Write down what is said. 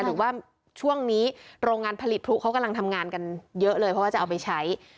หรือว่าช่วงนี้โรงงานผลิตพลุเขากำลังทำงานกันเยอะเลยเพราะว่าจะเอาไปใช้